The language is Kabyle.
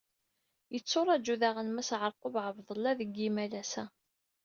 Yetturaju daɣen Mass Ɛerqub Ɛebdellah deg yimalas-a.